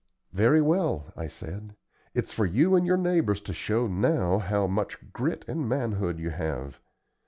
"Very well," I said, "it's for you and your neighbors to show now how much grit and manhood you have.